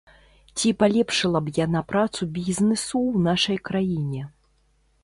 Ці палепшыла б яна працу бізнэсу ў нашай краіне?